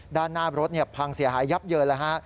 ด้านหน้ารถพังเสียหายยับเยินแล้วฮะ